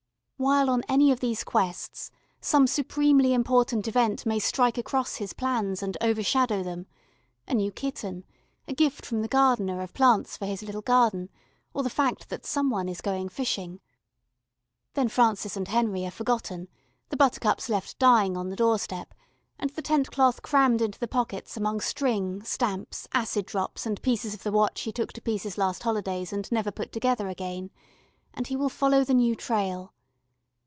While on any of these quests some supremely important event may strike across his plans, and overshadow them a new kitten, a gift from the gardener of plants for his little garden, or the fact that some one is going fishing. Then Francis and Henry are forgotten, the buttercups left dying on the doorstep, and the tent cloth crammed into the pockets among string, stamps, acid drops, and pieces of the watch he took to pieces last holidays and never put together again, and he will follow the new trail.